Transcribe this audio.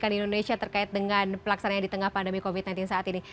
di indonesia terkait dengan pelaksanaan di tengah pandemi covid sembilan belas saat ini